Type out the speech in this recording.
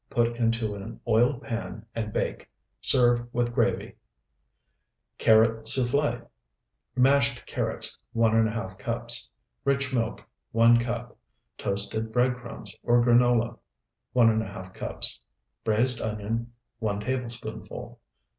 Put into an oiled pan and bake. Serve with gravy. CARROT SOUFFLE Mashed carrots, 1½ cups. Rich milk, 1 cup. Toasted bread crumbs, or granola, 1½ cups. Braized onion, 1 tablespoonful.